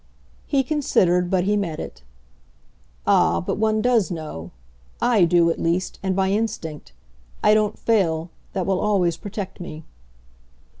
He considered, but he met it. "Ah, but one does know. I do, at least and by instinct. I don't fail. That will always protect me."